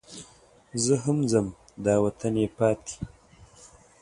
زه هم ځم دا وطن یې پاتې.